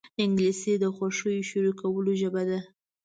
انګلیسي د خوښیو شریکولو ژبه ده